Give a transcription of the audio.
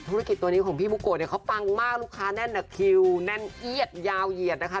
ธุรกิจตัวนี้ของพี่บุโกะเนี่ยเขาปังมากลูกค้าแน่นอะคิวแน่นเอียดยาวเหยียดนะคะ